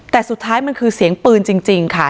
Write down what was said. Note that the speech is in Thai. แต่สุดท้ายมันคือเสียงปืนจริงค่ะ